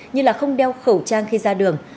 như là không đeo khẩu trang khi ra đường